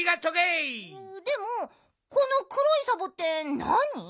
でもこのくろいサボテンなに？